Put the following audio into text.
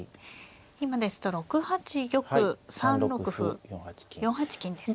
今ですと６八玉３六歩４八金ですね。